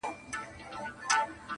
• د وینا اصلي موضوع -